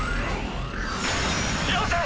よせ！